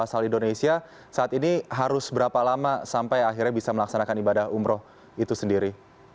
asal indonesia saat ini harus berapa lama sampai akhirnya bisa melaksanakan ibadah umroh itu sendiri